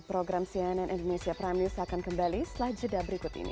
program cnn indonesia prime news akan kembali setelah jeda berikut ini